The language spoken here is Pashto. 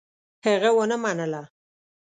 هغه ونه منله.